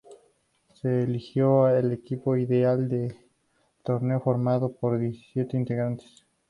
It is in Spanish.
Se eligió al equipo ideal del torneo formado por diecisiete integrantes.